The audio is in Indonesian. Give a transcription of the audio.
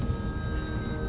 bakal lebih berat